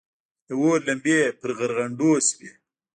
د اور لمبې پر غرغنډو شوې.